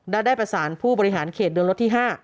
และได้ผสานผู้บริหารเขตเรืองรถที่๕